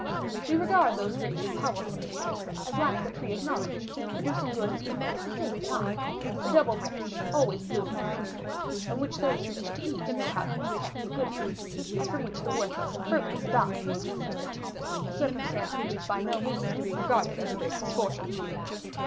We regard those rich and powerful natures as like the tree of knowledge, producing good and evil at the same time; a double branch, always blooming and fruitful, of which those who wish to eat know how to detect the good fruit, and from which the worthless and frivolous die who have eaten of it a circumstance which is by no means to be regarded as a great misfortune.